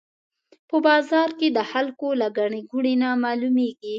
په بازار کې د خلکو له ګڼې ګوڼې نه معلومېږي.